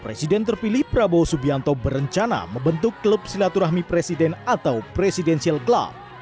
presiden terpilih prabowo subianto berencana membentuk klub silaturahmi presiden atau presidential club